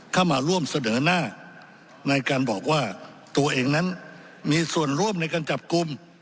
เข้ามาร่วมเสนอหน้าในการบอกว่าตัวเองนั้นมีส่วนร่วมในการจับกลุ่ม